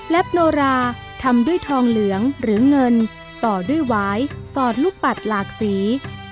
โปรราทำด้วยทองเหลืองหรือเงินต่อด้วยหวายสอดลูกปัดหลากสี